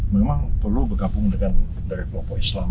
memang perlu bergabung dengan dari kelompok islam